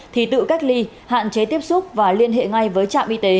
thì tự cách ly hạn chế tiếp xúc và liên hệ ngay với trạm y tế